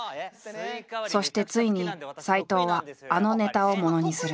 そしてついに斎藤はあのネタをものにする。